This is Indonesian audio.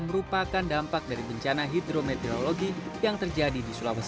merupakan dampak dari bencana hidrometri